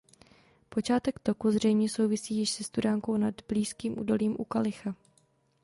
Počátek toku zřejmě souvisí již se studánkou nad blízkým údolím "U Kalicha".